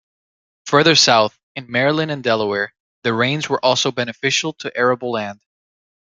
Further south, in Maryland and Delaware, the rains were also beneficial to arable land.